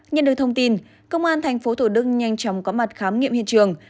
nhận được thông tin công an tp hcm nhanh chóng có mặt khám nghiệm hiện trường